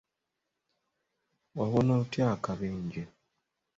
Wawona otya akabenje?